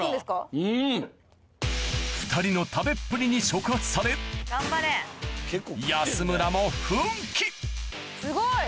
２人の食べっぷりに触発され安村もすごい。